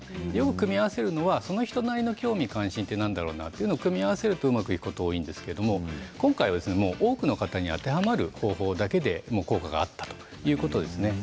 組み合わせるのはその人なりの興味、関心は何だろうなとそれを組み合わせるのいいんですけれども、今回は多くの方にあてはまる方法だけで効果があったということです。